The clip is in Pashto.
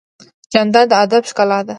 جانداد د ادب ښکلا ده.